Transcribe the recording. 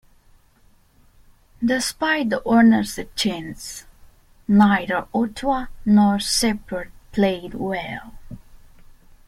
Despite the ownership changes, neither Ottawa nor Shreveport played well.